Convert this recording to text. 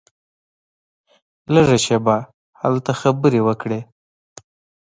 لږه شېبه هلته خبرې وکړې.